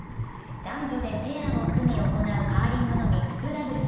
男女でペアを組み行うカーリングのミックスダブルス。